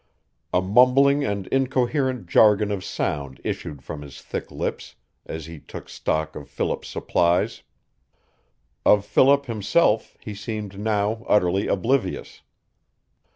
A mumbling and incoherent jargon of sound issued from his thick lips as he took stock of Philip's supplies. Of Philip himself he seemed now utterly oblivious.